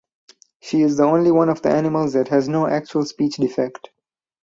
She is the only one of the animals that has no actual speech defect.